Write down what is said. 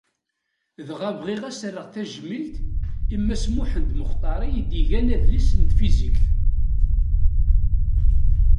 Dɣa bɣiɣ ad as-rreɣ tajmilt i Mass Muḥend Muxtari i d-igan adlis n tfizikt.